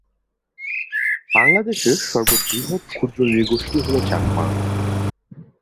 বাংলাদেশের সর্ববৃহৎ ক্ষুদ্র নৃগোষ্ঠী হল চাকমা।